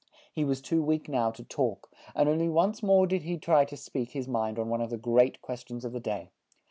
He was too weak now to talk, and on ly once more did he try to speak his mind on one of the great ques tions of the day.